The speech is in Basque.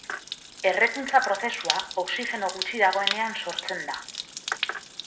Errekuntza-prozesuan oxigeno gutxi dagoenean sortzen da.